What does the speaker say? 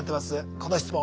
この質問。